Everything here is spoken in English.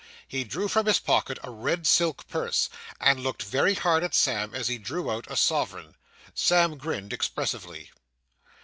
He drew from his pocket a red silk purse, and looked very hard at Sam as he drew out a sovereign. Sam grinned expressively.